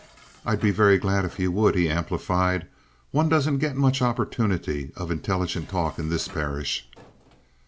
"I'd be very glad if you would," he amplified. "One doesn't get much opportunity of intelligent talk in this parish."